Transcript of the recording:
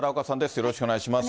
よろしくお願いします。